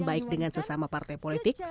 baik dengan sesama partai politik